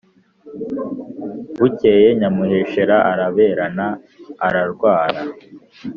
bukeye nyamuheshera araberana (ararwara)